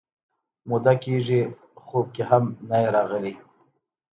موده کېږي خوب کې هم نه یې راغلی